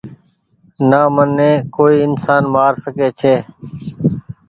نا مني ڪوئي انسان مآر سکي ڇي